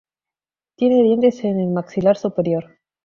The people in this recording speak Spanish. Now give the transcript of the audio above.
Tiene dientes en el maxilar superior.